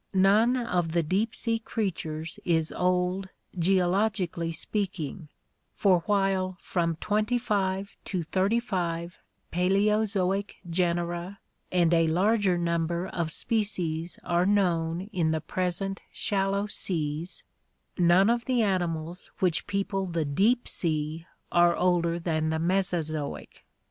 None of the deep sea creatures is old geologically speak ing, for while from twenty five to thirty five Paleozoic genera and a larger number of species are known in the present shallow seas, none of the animals which people the deep sea are older than the Mesozoic.